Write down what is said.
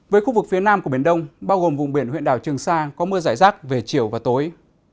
với khu vực phía nam của biển đông bao gồm vùng biển huyện đảo trường sa có mưa giải rác về chiều và tối